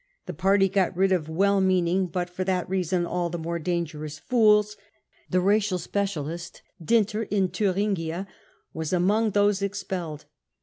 The party got rid of " well meaning, but for that reason all the more dangerous, fools 99 ; the " racial specialist 99 Dinter in Thuringia was among those expelled.